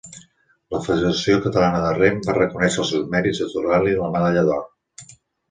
La Federació Catalana de Rem, va reconèixer els seus mèrits atorgant-li la medalla d’or.